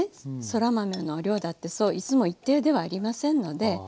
そら豆の量だってそういつも一定ではありませんので。